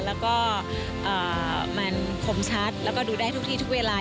แล้วก็มันคมชัดแล้วก็ดูได้ทุกที่ทุกเวลา